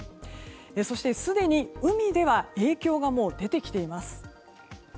そして、すでに海では影響が出てきています。